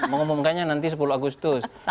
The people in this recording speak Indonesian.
mengumumkannya nanti sepuluh agustus